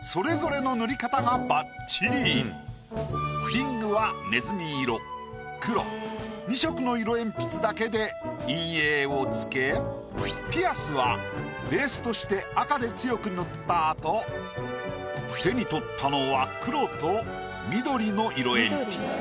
リングはねずみ色黒２色の色えんぴつだけで陰影をつけピアスはベースとして赤で強く塗ったあと手に取ったのは黒と緑の色えんぴつ。